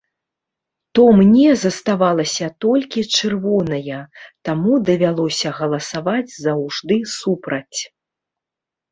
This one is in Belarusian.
То мне заставалася толькі чырвоная, таму давялося галасаваць заўжды супраць.